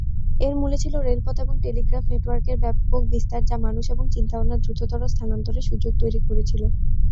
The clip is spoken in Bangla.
এর মূলে ছিল রেলপথ এবং টেলিগ্রাফ নেটওয়ার্কের ব্যাপক বিস্তার যা মানুষ এবং চিন্তা-ভাবনার দ্রুততর স্থানান্তরের সুযোগ তৈরী করেছিল।